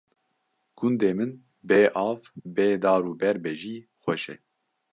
gundê min bê av, bê dar û ber be jî xweş e